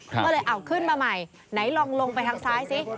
ก็เลยเอาขึ้นมาใหม่ไหนลองลงไปทางซ้ายสิ